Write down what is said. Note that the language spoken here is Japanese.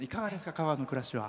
香川の暮らしは。